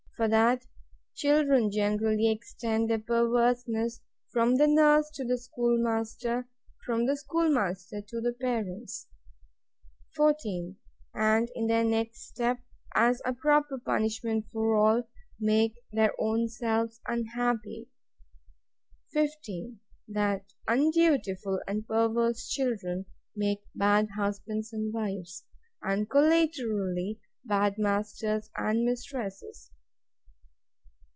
For that children generally extend their perverseness from the nurse to the schoolmaster: from the schoolmaster to the parents: 14. And, in their next step, as a proper punishment for all, make their ownselves unhappy. 15. That undutiful and perverse children make bad husbands and wives: And, collaterally, bad masters and mistresses.